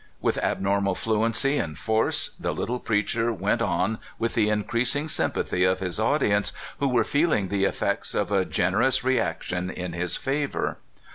With abnormal fluency and force, the Httle preach er went on with the increasing sympathy of his audience, w^ho were feehng the effects of a gener ous reaction in his favor.